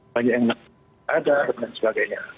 banyak yang ada dan lain sebagainya